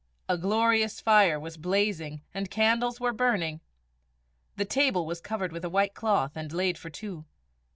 A glorious fire was blazing and candles were burning. The table was covered with a white cloth, and laid for two.